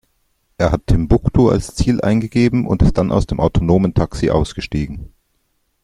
Er hat Timbuktu als Ziel eingegeben und ist dann aus dem autonomen Taxi ausgestiegen.